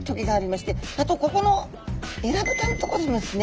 あとここのえらぶたのとこにもですね